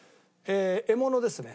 獲物ですね。